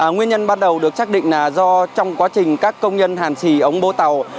nguyên nhân bắt đầu được xác định là do trong quá trình các công nhân hàn xì ống bố tàu